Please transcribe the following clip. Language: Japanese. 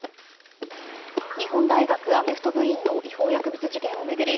日本大学アメフト部員の違法薬物事件を巡り